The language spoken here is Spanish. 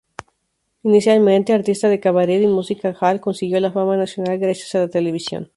Inicialmente artista de cabaret y music-hall, consiguió la fama nacional gracias a la televisión.